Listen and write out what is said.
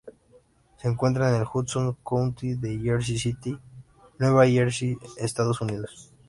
Se encuentra en el Hudson County, en Jersey City, Nueva Jersey, Estados Unidos.